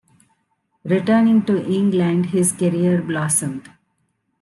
Returning to England, his career blossomed.